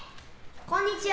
こんにちは！